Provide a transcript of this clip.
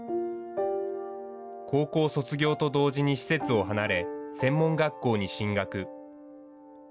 高校卒業と同時に施設を離れ、専門学校に進学。